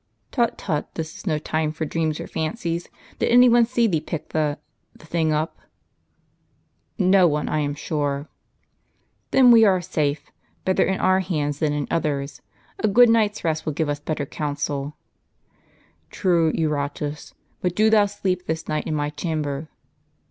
''^ "Tut, tut! this is no time for dreams or fancies. Did any one see thee pick the — the thing up? "" No one, I am sure." "Then we are safe; better in our hands than in others'. A good night's rest will give us better counsel." "True, Eurotus; but do thou sleep this night in my chamber."